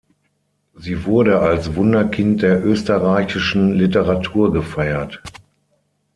Sie wurde als „Wunderkind der österreichischen Literatur“ gefeiert.